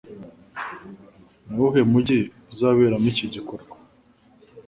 Nuwuhe mujyi uzaberamo iki gikorwa?